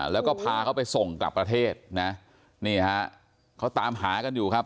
แล้วก็พาเขาไปส่งกลับประเทศนะนี่ฮะเขาตามหากันอยู่ครับ